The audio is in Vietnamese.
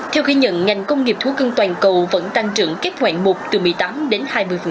theo ghi nhận ngành công nghiệp thú cưng toàn cầu vẫn tăng trưởng kết hoạn một từ một mươi tám đến hai mươi